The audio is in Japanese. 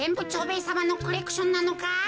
蝶兵衛さまのコレクションなのか？